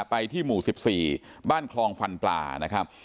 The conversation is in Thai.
ไปที่หมู่๑๔บ้านคลองฟันปลานะครับ